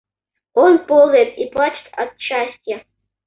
Он ползает и плачет от счастья.